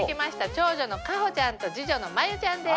長女の香帆ちゃんと次女の真優ちゃんです！